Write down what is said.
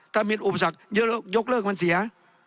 ถ้ามีอุปสรรคยกเลิกมันเสีย